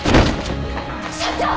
社長？